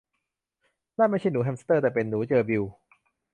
นั่นไม่ใช่หนูแฮมสเตอร์ แต่เป็นหนูเจอร์บิล